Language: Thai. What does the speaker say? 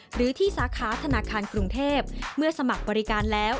หรือที่สาขาธนาคารกรุงเทพเมื่อสมัครบริการแล้ว